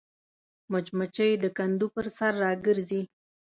مچمچۍ د کندو پر سر راګرځي